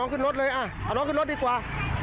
ขึ้นรถเลยเอาน้องขึ้นรถดีกว่า